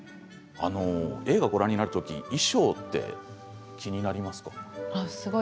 映画をご覧になるとき衣装って気になりますか？